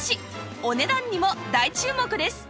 お値段にも大注目です